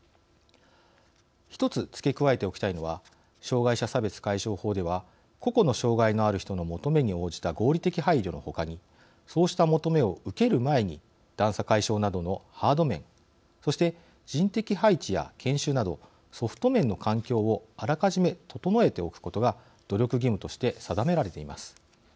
一つ付け加えておきたいのは障害者差別解消法では個々の障害のある人の求めに応じた合理的配慮のほかにそうした求めを受ける前に段差解消などのハード面そして人的配置や研修などソフト面の環境をあらかじめ整えておくことが努力義務として定められています。